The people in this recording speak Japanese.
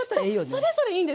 それぞれいいんです。